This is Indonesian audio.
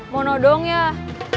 mau nodong yah